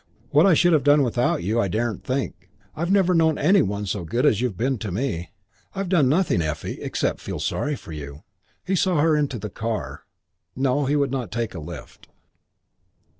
What I should have done without you I daren't think. I've never known any one so good as you've been to me." "I've done nothing, Effie, except feel sorry for you." He saw her into the car. No, he would not take a lift.